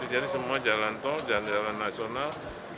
jadi semua jalan tol jalan jalan nasional